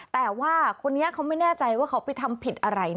แต่ว่าคนนี้เขาไม่แน่ใจว่าเขาไปทำผิดอะไรนะ